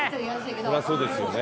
そりゃそうですよね。